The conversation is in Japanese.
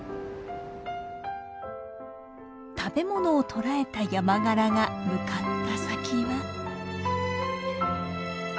食べ物を捕らえたヤマガラが向かった先は。